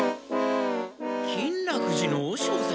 金楽寺の和尚様。